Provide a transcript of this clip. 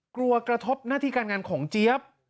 กระทบหน้าที่การงานของเจี๊ยบ